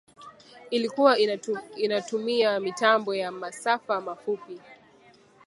ilikua inatumia mitambo ya masafa mafupi ,